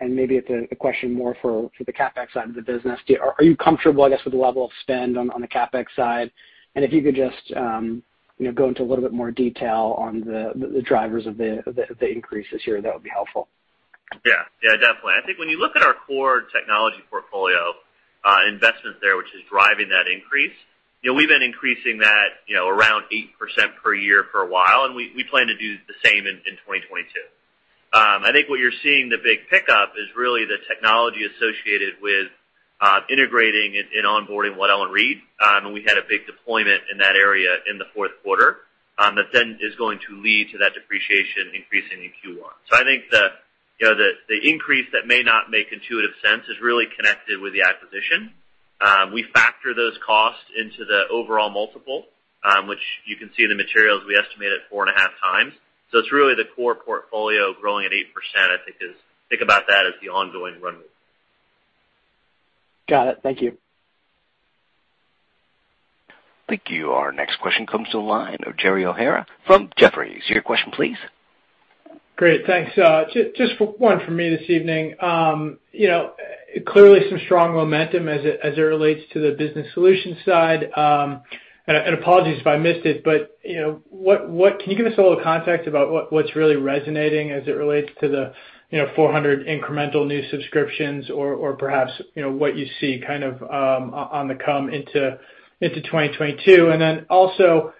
and maybe it's a question more for the CapEx side of the business. Are you comfortable, I guess, with the level of spend on the CapEx side? And if you could just, you know, go into a little bit more detail on the drivers of the increase this year, that would be helpful. Yeah. Yeah, definitely. I think when you look at our core technology portfolio, investment there, which is driving that increase, you know, we've been increasing that, you know, around 8% per year for a while, and we plan to do the same in 2022. I think where you're seeing the big pickup is really the technology associated with integrating and onboarding Waddell & Reed. We had a big deployment in that area in the fourth quarter, that then is going to lead to that depreciation increasing in Q1. I think the increase that may not make intuitive sense is really connected with the acquisition. We factor those costs into the overall multiple, which you can see in the materials, we estimate at 4.5x. It's really the core portfolio growing at 8%, I think about that as the ongoing runway. Got it. Thank you. Thank you. Our next question comes to the line of Gerald O'Hara from Jefferies. Your question please. Great. Thanks. Just one for me this evening. You know, clearly some strong momentum as it relates to the business solutions side. And apologies if I missed it, but you know, what can you give us a little context about what's really resonating as it relates to the, you know, 400 incremental new subscriptions or perhaps, you know, what you see kind of coming into 2022? And then also,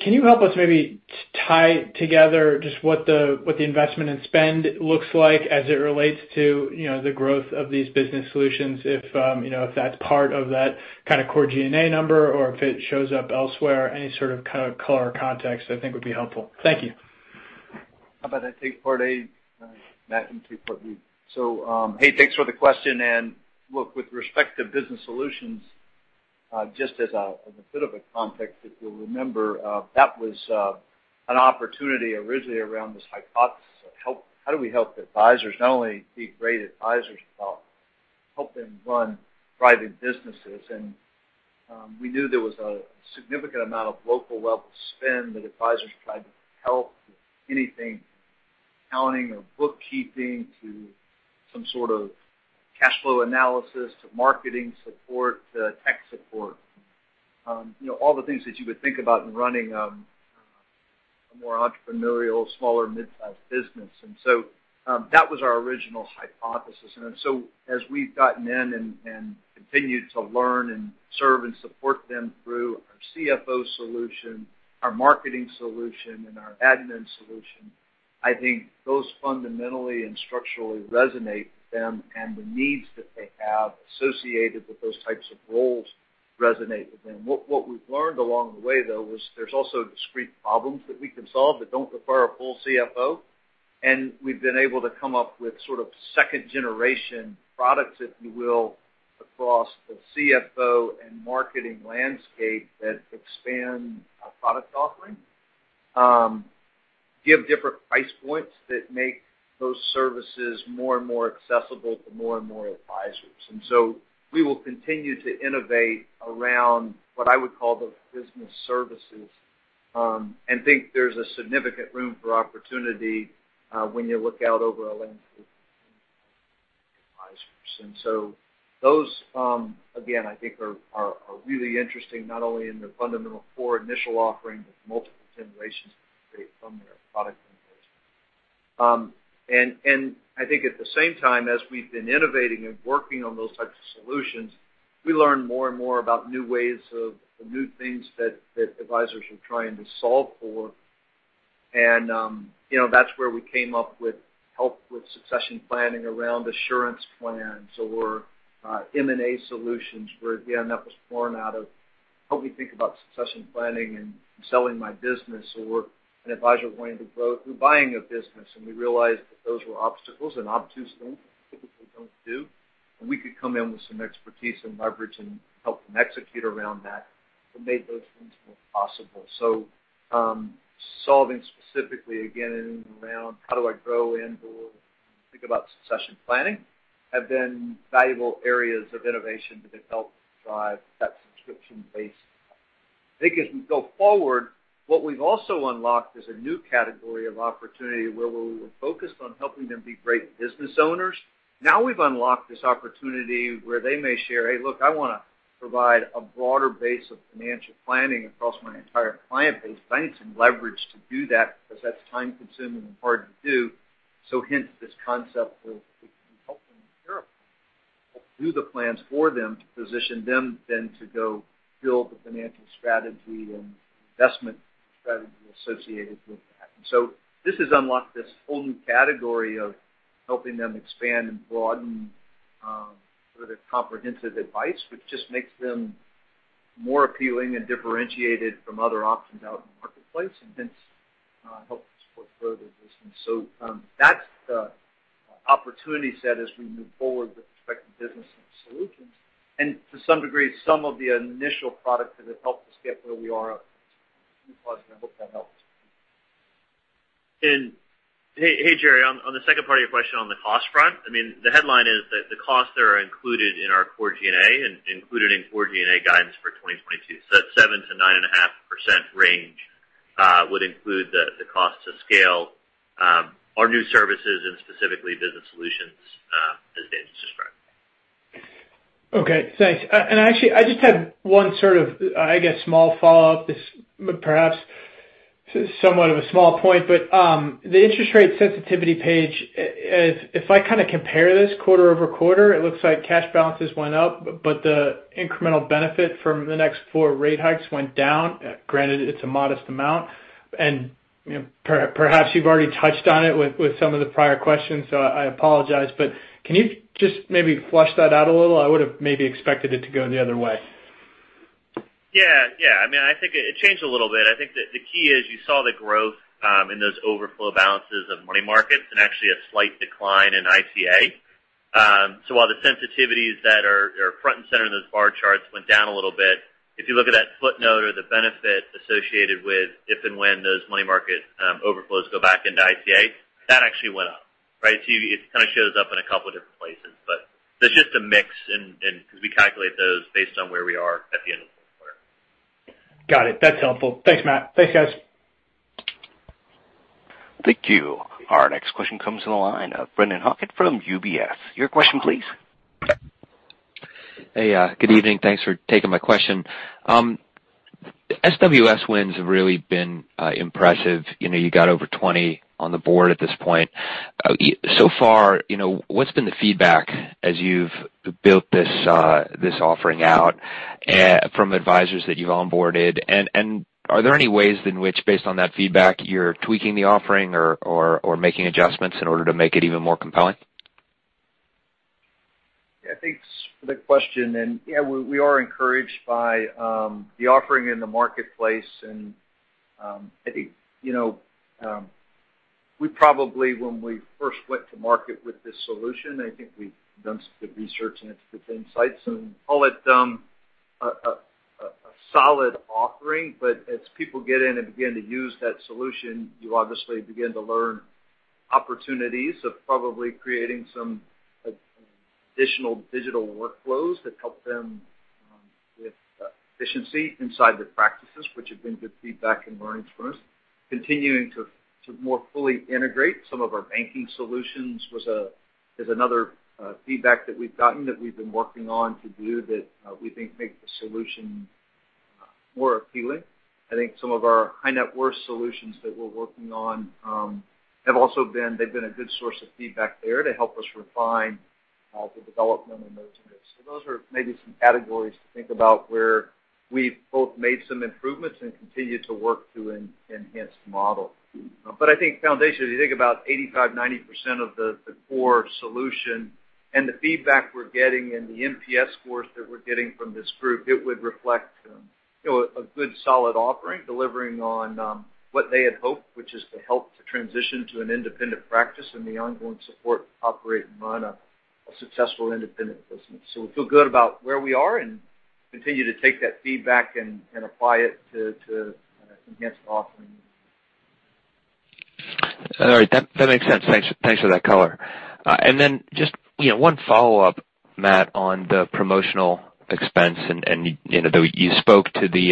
can you help us maybe tie together just what the investment and spend looks like as it relates to, you know, the growth of these business solutions, if you know, if that's part of that kind of core G&A number or if it shows up elsewhere? Any sort of kind of color or context I think would be helpful. Thank you. How about I take part A, Matt can take part B. Hey, thanks for the question. Look, with respect to business solutions, just as a bit of a context, if you'll remember, that was an opportunity originally around this hypothesis of how do we help advisors not only be great advisors, but help them run private businesses? We knew there was a significant amount of local level spend that advisors tried to help with anything accounting or bookkeeping to some sort of cash flow analysis, to marketing support, to tech support. You know, all the things that you would think about in running a more entrepreneurial, smaller midsize business. That was our original hypothesis. as we've gotten in and continued to learn and serve and support them through our CFO solution, our marketing solution, and our admin solution, I think those fundamentally and structurally resonate with them and the needs that they have associated with those types of roles resonate with them. What we've learned along the way, though, was there's also discrete problems that we can solve that don't require a full CFO. We've been able to come up with sort of second-generation products, if you will, across the CFO and marketing landscape that expand our product offering, give different price points that make those services more and more accessible to more and more advisors. We will continue to innovate around what I would call the business services, and think there's a significant room for opportunity when you look out over a landscape of advisors. Those, again, I think are really interesting, not only in the fundamental core initial offering, but multiple generations that we create from their product. I think at the same time, as we've been innovating and working on those types of solutions, we learn more and more about the new things that advisors are trying to solve for. You know, that's where we came up with help with succession planning around assurance plans or M&A solutions, where, again, that was born out of help me think about succession planning and selling my business or an advisor wanting to grow through buying a business. We realized that those were obstacles and obtuse things they typically don't do, and we could come in with some expertise and leverage and help them execute around that and make those things more possible. Solving specifically again in and around how do I grow and think about succession planning have been valuable areas of innovation that have helped drive that subscription base. I think as we go forward, what we've also unlocked is a new category of opportunity where we're focused on helping them be great business owners. Now we've unlocked this opportunity where they may share, Hey, look, I wanna provide a broader base of financial planning across my entire client base. I need some leverage to do that because that's time-consuming and hard to do. Hence, this concept of helping with care plans, help do the plans for them to position them then to go build the financial strategy and investment strategy associated with that. This has unlocked this whole new category of helping them expand and broaden, sort of their comprehensive advice, which just makes them more appealing and differentiated from other options out in the marketplace, and hence, help us support further business. That's the opportunity set as we move forward with respect to business and solutions. To some degree, some of the initial products that have helped us get where we are. I hope that helps. Hey, Jerry, on the second part of your question on the cost front, I mean, the headline is that the costs that are included in our core G&A and included in core G&A guidance for 2022. That 7%-9.5% range would include the cost to scale our new services and specifically business solutions, as Dan just described. Okay, thanks. Actually, I just had one sort of, I guess small follow-up. This is perhaps somewhat of a small point, but the interest rate sensitivity page, if I kinda compare this quarter-over-quarter, it looks like cash balances went up, but the incremental benefit from the next 4 rate hikes went down. Granted, it's a modest amount, and, you know, perhaps you've already touched on it with some of the prior questions, so I apologize. But can you just maybe flesh that out a little? I would've maybe expected it to go the other way. Yeah. Yeah. I mean, I think it changed a little bit. I think that the key is you saw the growth in those overflow balances of money markets and actually a slight decline in ICA. While the sensitivities that are front and center in those bar charts went down a little bit, if you look at that footnote or the benefit associated with if and when those money market overflows go back into ICA, that actually went up, right? It kind of shows up in a couple different places. There's just a mix and because we calculate those based on where we are at the end of the quarter. Got it. That's helpful. Thanks, Matt. Thanks, guys. Thank you. Our next question comes from the line of Brennan Hawken from UBS. Your question please. Hey, good evening. Thanks for taking my question. SWS wins have really been impressive. You know, you got over 20 on the board at this point. So far, you know, what's been the feedback as you've built this offering out from advisors that you've onboarded? Are there any ways in which, based on that feedback, you're tweaking the offering or making adjustments in order to make it even more compelling? Yeah. Thanks for the question. Yeah, we are encouraged by the offering in the marketplace. I think, you know, we probably when we first went to market with this solution, I think we've done some good research and had some good insights, and it led to a solid offering. As people get in and begin to use that solution, you obviously begin to learn opportunities of probably creating some additional digital workflows that help them with efficiency inside their practices, which have been good feedback and learnings for us. Continuing to more fully integrate some of our banking solutions is another feedback that we've gotten that we've been working on to do that, we think make the solution more appealing. I think some of our high net worth solutions that we're working on they've been a good source of feedback there to help us refine the development in those areas. Those are maybe some categories to think about where we've both made some improvements and continue to work to enhance the model. I think foundationally, you think about 85%-90% of the core solution and the feedback we're getting and the NPS scores that we're getting from this group, it would reflect you know, a good solid offering, delivering on what they had hoped, which is to help to transition to an independent practice and the ongoing support to operate and run a successful independent business. We feel good about where we are and continue to take that feedback and apply it to enhance the offering. All right. That makes sense. Thanks for that color. Then just, you know, one follow-up, Matt, on the promotional expense and you know, you spoke to this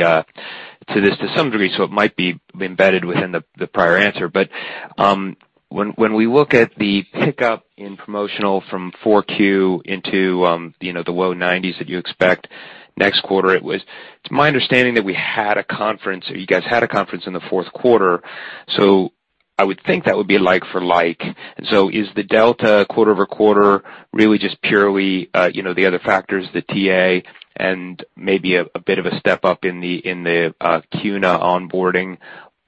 to some degree, so it might be embedded within the prior answer. But when we look at the pickup in promotional from 4Q into, you know, the low 90s that you expect next quarter, it's my understanding that we had a conference, or you guys had a conference in the fourth quarter, so I would think that would be like for like. Is the delta quarter-over-quarter really just purely, you know, the other factors, the TA, and maybe a bit of a step-up in the CUNA onboarding?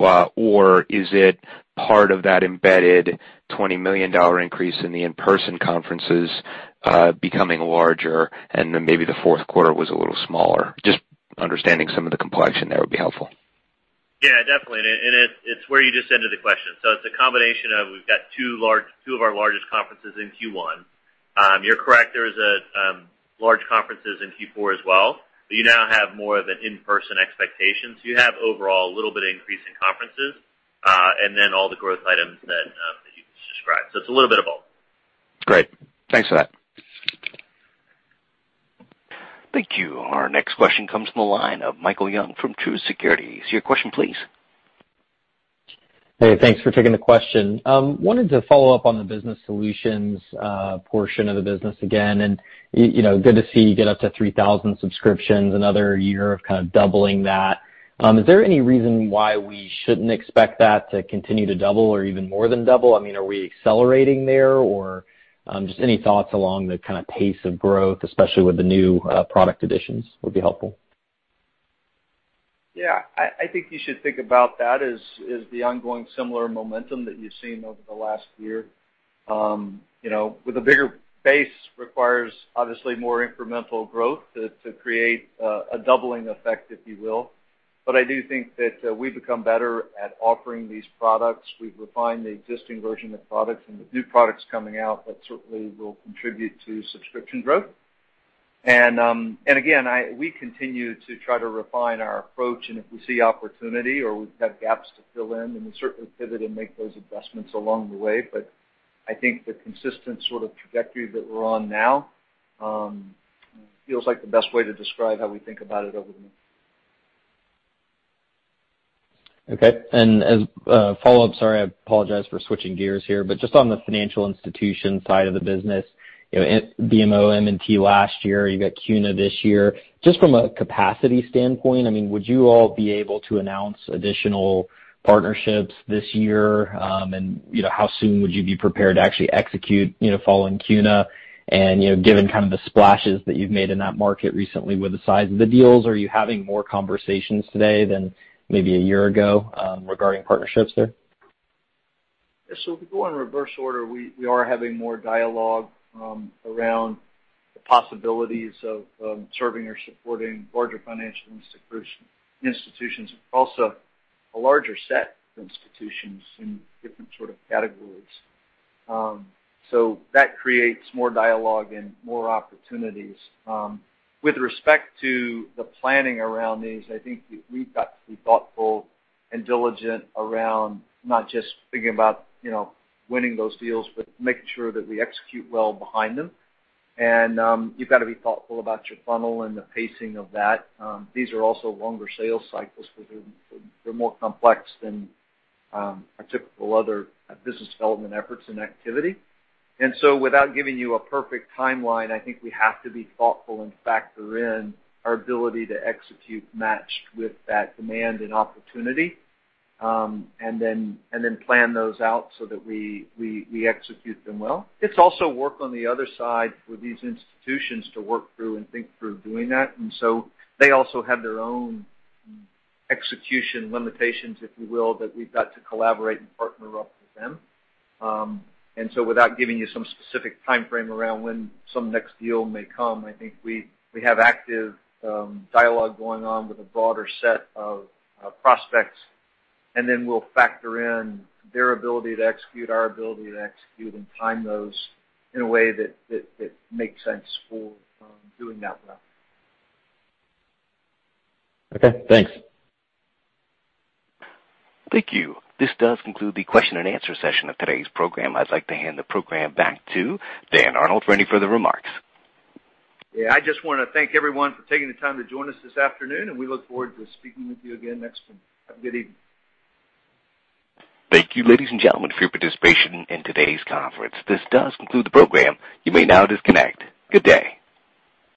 Is it part of that embedded $20 million increase in the in-person conferences, becoming larger and then maybe the fourth quarter was a little smaller? Just understanding some of the complexion there would be helpful. Yeah, definitely. It's where you just ended the question. It's a combination of, we've got two of our largest conferences in Q1. You're correct, there was large conferences in Q4 as well, but you now have more of an in-person expectation. You have overall a little bit of increase in conferences, and then all the growth items that you just described. It's a little bit of both. Great. Thanks for that. Thank you. Our next question comes from the line of Michael Young from Truist Securities. Your question, please. Hey, thanks for taking the question. Wanted to follow up on the business solutions portion of the business again. You know, good to see you get up to 3,000 subscriptions, another year of kind of doubling that. Is there any reason why we shouldn't expect that to continue to double or even more than double? I mean, are we accelerating there? Or just any thoughts along the kind of pace of growth, especially with the new product additions would be helpful. Yeah. I think you should think about that as the ongoing similar momentum that you've seen over the last year. You know, with a bigger base requires obviously more incremental growth to create a doubling effect, if you will. I do think that we've become better at offering these products. We've refined the existing version of products and the new products coming out that certainly will contribute to subscription growth. Again, we continue to try to refine our approach, and if we see opportunity or we've got gaps to fill in, then we certainly pivot and make those investments along the way. I think the consistent sort of trajectory that we're on now feels like the best way to describe how we think about it over the month. Okay. As a follow-up, sorry, I apologize for switching gears here, but just on the financial institution side of the business, you know, BMO, M&T last year, you got CUNA this year. Just from a capacity standpoint, I mean, would you all be able to announce additional partnerships this year? You know, how soon would you be prepared to actually execute, you know, following CUNA? You know, given kind of the splashes that you've made in that market recently with the size of the deals, are you having more conversations today than maybe a year ago, regarding partnerships there? Yeah. If we go in reverse order, we are having more dialogue around the possibilities of serving or supporting larger financial institutions, but also a larger set of institutions in different sort of categories. That creates more dialogue and more opportunities. With respect to the planning around these, I think we've got to be thoughtful and diligent around not just thinking about, you know, winning those deals, but making sure that we execute well behind them. You've got to be thoughtful about your funnel and the pacing of that. These are also longer sales cycles because they're more complex than our typical other business development efforts and activity. Without giving you a perfect timeline, I think we have to be thoughtful and factor in our ability to execute matched with that demand and opportunity, and then plan those out so that we execute them well. It takes work on the other side for these institutions to work through and think through doing that. They also have their own execution limitations, if you will, that we've got to collaborate and partner up with them. Without giving you some specific timeframe around when some next deal may come, I think we have active dialogue going on with a broader set of prospects, and then we'll factor in their ability to execute, our ability to execute, and time those in a way that makes sense for doing that well. Okay, thanks. Thank you. This does conclude the question-and-answer session of today's program. I'd like to hand the program back to Dan Arnold for any further remarks. Yeah, I just wanna thank everyone for taking the time to join us this afternoon, and we look forward to speaking with you again next quarter. Have a good evening. Thank you, ladies and gentlemen, for your participation in today's conference. This does conclude the program. You may now disconnect. Good day.